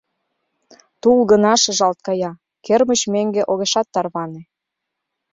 Тул гына шыжалт кая, кермыч меҥге огешат тарване.